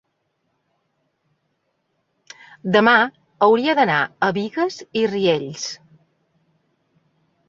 demà hauria d'anar a Bigues i Riells.